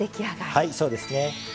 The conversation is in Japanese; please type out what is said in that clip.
はいそうですね。